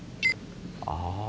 ああ。